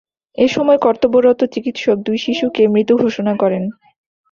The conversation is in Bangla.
এ সময় কর্তব্যরত চিকিৎসক দুই শিশুকে মৃত ঘোষণা করেন।